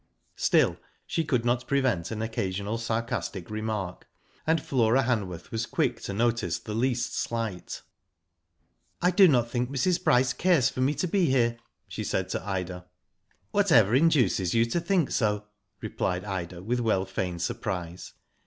Still she could not prevent an occasional sarcastic remark, and Flora Hanworth was quick to notice the least slight. Digitized byGoogk 62 WHO DID ITf '*I do not think Mrs. Bryce cares for me to be here," she said to Ida. *^ Whatever induces you to think so ?" replied Ida, with well feigned surprise.